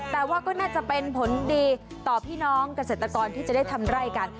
แต่ว่าก็น่าจะเป็นผลดีต่อพี่น้องเกษตรกรที่จะได้ทำไร่กัน